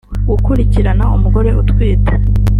gukurikirana umugore utwite